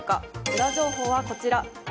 ウラ情報はこちら。